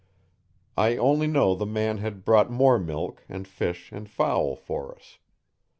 I only know the man had brought more milk and fish and fowl for us.